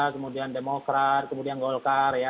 kemudian demokrat kemudian golkar ya